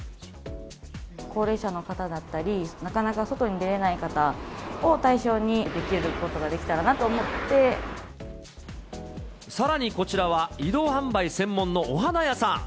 高齢者の方だったり、なかなか外に出れない方を対象に、さらにこちらは、移動販売専門のお花屋さん。